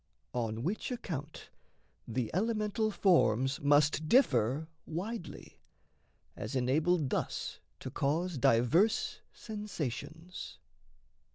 On which account, the elemental forms Must differ widely, as enabled thus To cause diverse sensations.